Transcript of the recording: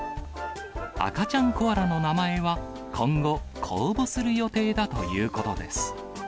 赤ちゃんコアラの名前は、今後、公募する予定だということです。